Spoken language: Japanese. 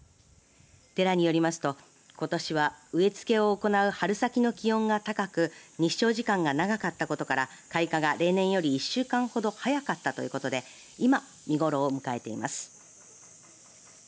寺によりますと、ことしは植えつけを行う春先の気温が高く日照時間が長かったことから開花が例年より１週間ほど早かったということで今、見頃を迎えています。